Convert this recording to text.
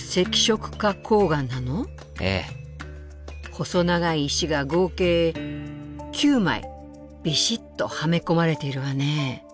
細長い石が合計９枚びしっとはめ込まれているわね。